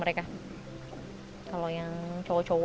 eruh the soak jugaca